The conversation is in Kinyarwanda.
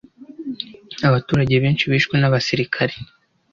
Abaturage benshi bishwe n'abasirikare.